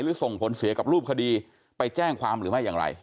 ส่งผลเสียกับรูปคดีไปแจ้งความหรือไม่อย่างไร